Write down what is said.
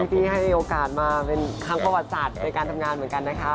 พี่ให้โอกาสมาเป็นคังขวดสัตว์ในการทำงานเหมือนกันนะคะ